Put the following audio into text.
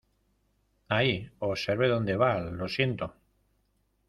¡ Ay! ¡ observe donde va !¡ lo siento !